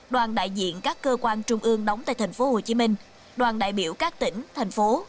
đoàn đại diện các cơ quan trung ương đóng tại tp hcm đoàn đại biểu các tỉnh tp